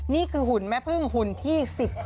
นี่คือหุ่นแม่พึ่งหุ่นที่๑๓